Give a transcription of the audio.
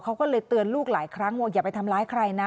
เขาก็เลยเตือนลูกหลายครั้งว่าอย่าไปทำร้ายใครนะ